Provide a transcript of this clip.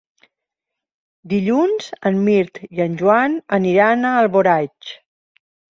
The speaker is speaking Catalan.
Dilluns en Mirt i en Joan aniran a Alboraig.